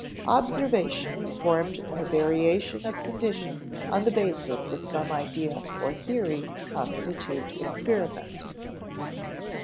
_Observations formed by variation of conditions on the basis of some idea or theory constitute experiment.